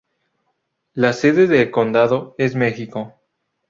La sede de condado es Mexico.